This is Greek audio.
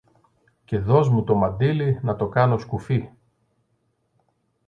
και δωσ' μου το μαντίλι να το κάνω σκουφί.